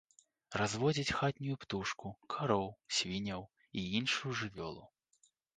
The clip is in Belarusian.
Разводзяць хатнюю птушку, кароў, свінняў і іншую жывёлу.